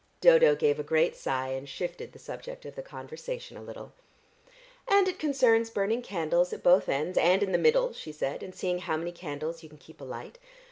Dodo gave a great sigh, and shifted the subject of the conversation a little. "And it concerns burning candles at both ends and in the middle," she said, "and seeing how many candles you can keep alight.